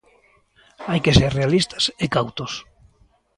Hai que ser realistas e cautos.